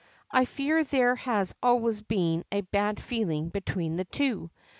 I fear there has always been a bad feeling between the two.